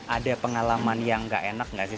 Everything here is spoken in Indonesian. ada pengalaman yang tidak enak tidak